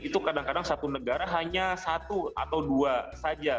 itu kadang kadang satu negara hanya satu atau dua saja